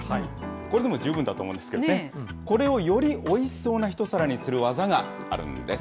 これでも十分だと思うんですけどね、これをよりおいしそうな一皿にする技があるんです。